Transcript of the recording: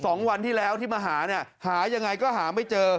สองวันที่แล้วที่มาหาเนี่ยหายังไงก็หาไม่เจอ